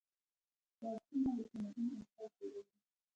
کتابونه د تمدن اساس جوړوي.